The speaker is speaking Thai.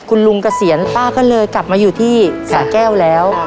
คุณลุงเกษียณป้าก็เลยกลับมาอยู่ที่สะแก้วแล้ว